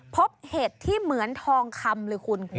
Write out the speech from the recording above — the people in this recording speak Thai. เห็ดที่เหมือนทองคำเลยคุณ